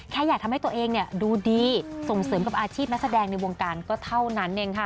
แค่อยากทำให้ตัวเองดูดีส่งเสริมกับอาชีพนักแสดงในวงการก็เท่านั้นเองค่ะ